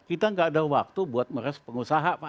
kita nggak ada waktu buat meres pengusaha pak